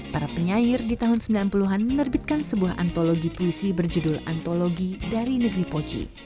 para penyair di tahun sembilan puluh an menerbitkan sebuah antologi puisi berjudul antologi dari negeri poci